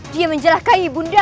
dia menjelakai bundaku